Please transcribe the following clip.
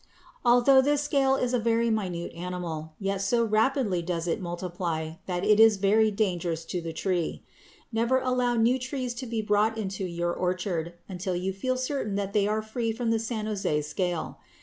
Although this scale is a very minute animal, yet so rapidly does it multiply that it is very dangerous to the tree. Never allow new trees to be brought into your orchard until you feel certain that they are free from the San Jose scale.